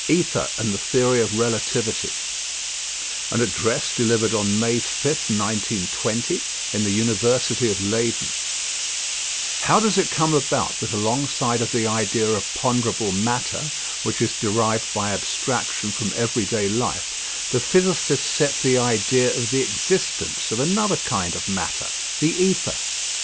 ETHER AND THE THEORY OF RELATIVITY An Address delivered on May 5th, 1920, in the University of Leyden How does it come about that alongside of the idea of ponderable matter, which is derived by abstraction from everyday life, the physicists set the idea of the existence of another kind of matter, the ether?